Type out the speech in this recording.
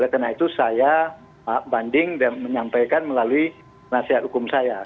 karena itu saya banding dan menyampaikan melalui nasihat hukum saya